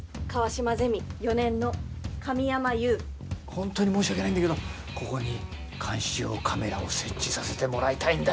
本当に申し訳ないんだけどここに監視用カメラを設置させてもらいたいんだよ。